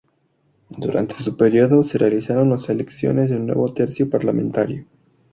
Durante su periodo, se realizaron las elecciones del nuevo tercio parlamentario.